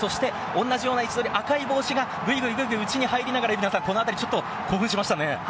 同じような位置取り、赤い帽子が内に入りながらこのあたり、興奮しましたね。